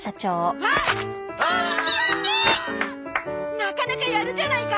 なかなかやるじゃないか。